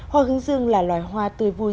hoa hứng dương là loài hoa tươi vui